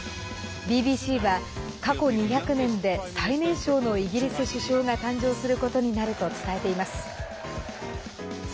ＢＢＣは過去２００年で最年少のイギリス首相が誕生することになると伝えています。